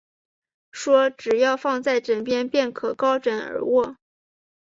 说只要放在枕边，便可高枕而卧